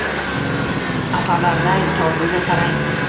Аsablarday tortildi tarang.